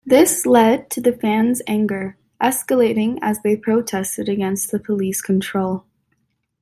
This led to the fans' anger escalating as they protested against the police control.